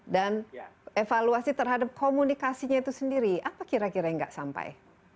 dan evaluasi terhadap komunikasinya itu sendiri apa kira kira yang tidak sampai